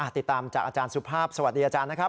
ติดตามจากอาจารย์สุภาพสวัสดีอาจารย์นะครับ